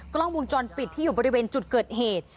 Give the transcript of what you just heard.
กล้องวงจรปิดที่อยู่บริเวณจุดเกิดเหตุ